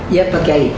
iya pak kiai